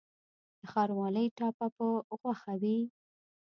د ښاروالۍ ټاپه په غوښه وي؟